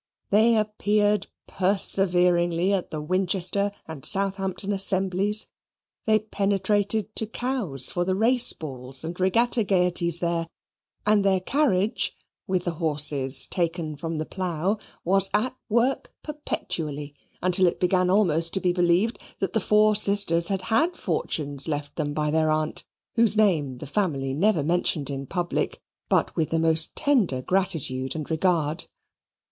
They appeared perseveringly at the Winchester and Southampton assemblies; they penetrated to Cowes for the race balls and regatta gaieties there; and their carriage, with the horses taken from the plough, was at work perpetually, until it began almost to be believed that the four sisters had had fortunes left them by their aunt, whose name the family never mentioned in public but with the most tender gratitude and regard.